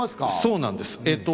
そうなんです。